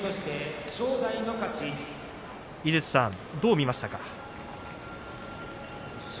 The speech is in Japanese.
井筒さん、どう見ました？